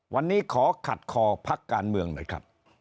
วันนี้ขอขัดคอภักดิ์การเมืองนะครับ